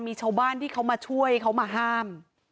มีชาวบ้านที่เขามาช่วยเขามาห้าม